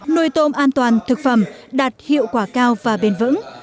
nuôi tôm an toàn thực phẩm đạt hiệu quả cao và bền vững